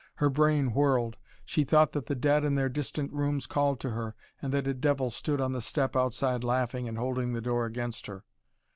Her brain whirled. She thought that the dead in their distant rooms called to her, and that a devil stood on the step outside laughing and holding the door against her.